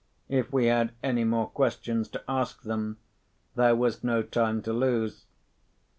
If we had any more questions to ask them, there was no time to lose.